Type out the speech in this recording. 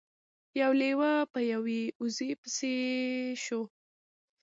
یو لیوه په یوې وزې پسې شو.